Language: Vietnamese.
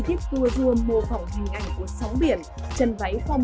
tiếp tua rua mô phỏng hình ảnh của sóng biển chân váy phong